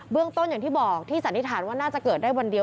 เรื่องต้นอย่างที่บอกที่สันนิษฐานว่าน่าจะเกิดได้วันเดียว